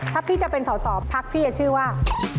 ถ้าพี่จะเป็นสอสอพักพี่จะชื่อว่า